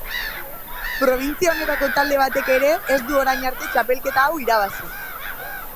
Probintzia honetako talde batek ere ez du orain arte txapelketa hau irabazi.